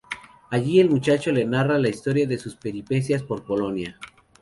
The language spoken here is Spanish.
Allí, el muchacho le narra la historia de sus peripecias por Polonia.